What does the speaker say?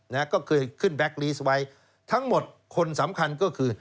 นะก็เคยขึ้นแบ็คลีสไว้ทั้งหมดคนสำคัญก็คือ